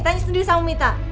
tanya sendiri sama mita